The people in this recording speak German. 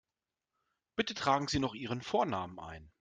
Bitte tragen Sie noch Ihren Vornamen ein.